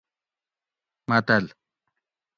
متل